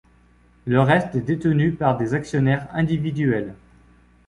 Le reste est détenu par des actionnaires individuels.